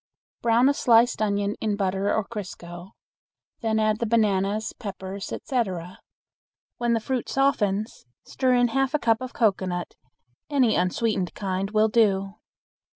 Brown a sliced onion in butter or crisco. Then add the bananas, peppers, etc. When the fruit softens stir in half a cup of cocoanut; any unsweetened kind will do.